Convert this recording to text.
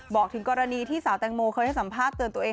บอกถึงกรณีที่สาวแตงโมเคยให้สัมภาษณ์เตือนตัวเอง